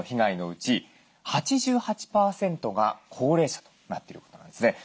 うち８８％が高齢者となってることなんですね。